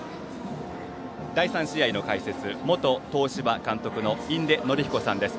第３試合の解説元東芝監督の印出順彦さんです。